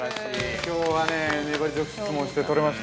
◆きょうは粘り強く質問してとれました。